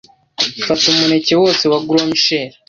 fata umuneke wose wa gros Michel